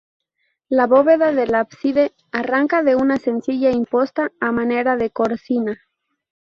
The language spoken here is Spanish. La bóveda del ábside arranca de una sencilla imposta a manera de cornisa.